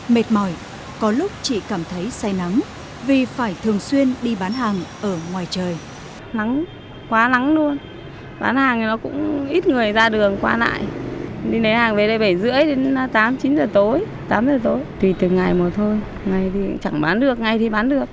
mệt mỏi có lúc chị cảm thấy say nắng vì phải thường xuyên đi bán hàng ở ngoài trời